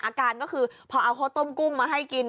อาการก็คือพอเอาข้าวต้มกุ้งมาให้กิน